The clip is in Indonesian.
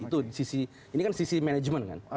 itu sisi ini kan sisi manajemen kan